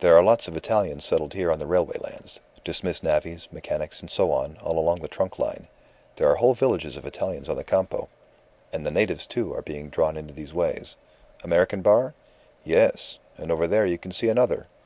There are lots of Italians settled here on the railway lands, dismissed navvies, mechanics, and so on, all along the trunk line. There are whole villages of Italians on the Campo. And the natives, too, are being drawn into these ways ... American bar? Yes. And over there you can see another.